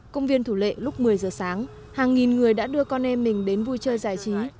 công viên thủ lệ lúc một mươi giờ sáng hàng nghìn người đã đưa con em mình đến vui chơi giải trí